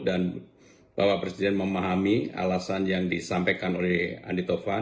dan bapak presiden memahami alasan yang disampaikan oleh andi taufan